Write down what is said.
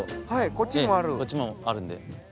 こっちにもあるんで。